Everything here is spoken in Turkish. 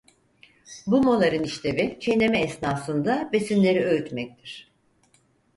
Bu moların işlevi çiğneme esnasında besinleri öğütmektir.